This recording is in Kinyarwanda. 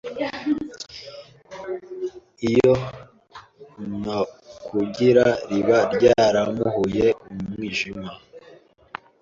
iyo ntakugira riba ryarampuhuye Umwijima